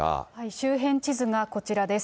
周辺地図がこちらです。